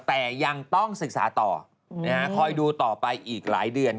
แต่ยังต้องศึกษาต่อคอยดูต่อไปอีกหลายเดือน